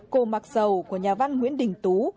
cô mạc sầu của nhà văn nguyễn đình tú